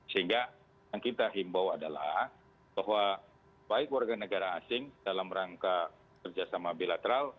sehingga yang kita himbau adalah bahwa baik warga negara asing dalam rangka kerjasama bilateral